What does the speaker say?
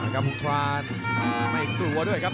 กับภูมิชวานมาอีกดูดัวด้วยครับ